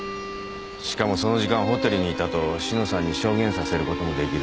しかもその時間はホテルにいたと志乃さんに証言させることもできる。